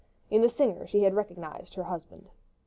In the singer she had recognised her husband.